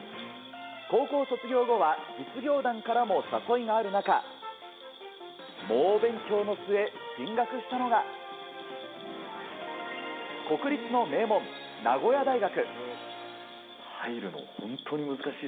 高校卒業後は実業団からも誘いがある中、猛勉強の末、進学したのが国立の名門・名古屋大学。